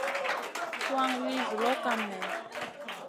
Tuwan li zuloʼ kam mèh ?